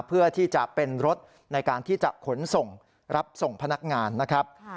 เพื่อที่จะเป็นรถในการที่จะขนส่งรับส่งพนักงานนะครับ